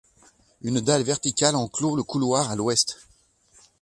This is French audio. Une dalle verticale en clôt le couloir à l'ouest.